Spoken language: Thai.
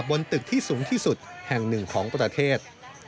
บนตึกที่สูงที่สุดแห่งหนึ่งของประเทศ